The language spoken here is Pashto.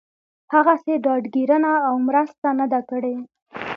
هغسې ډاډ ګيرنه او مرسته نه ده کړې